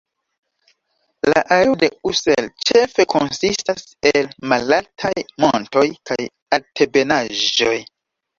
La areo de Ussel ĉefe konsistas el malaltaj montoj kaj altebenaĵoj.